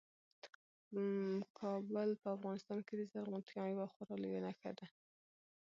کابل په افغانستان کې د زرغونتیا یوه خورا لویه نښه ده.